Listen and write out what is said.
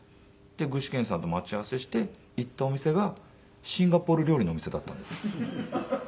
で具志堅さんと待ち合わせして行ったお店がシンガポール料理のお店だったんです。